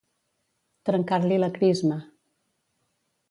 Trencar-li la crisma.